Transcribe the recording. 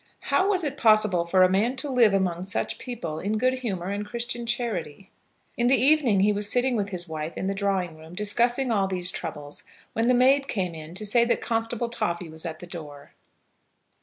How was it possible for a man to live among such people in good humour and Christian charity? In the evening he was sitting with his wife in the drawing room discussing all these troubles, when the maid came in to say that Constable Toffy was at the door.